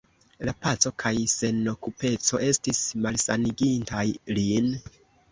La paco kaj senokupeco estis malsanigintaj lin.